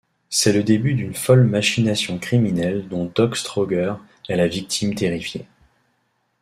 C'est le début d'une folle machination criminelle dont Doc Stroeger est la victime terrifiée.